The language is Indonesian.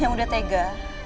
yang udah tega